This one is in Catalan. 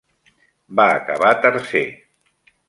Va acabar tercer.